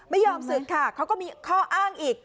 ไม่ยอมศึกค่ะเขาก็มีข้ออ้างอีก